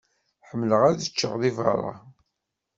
Ḥemmleɣ ad ččeɣ di berra.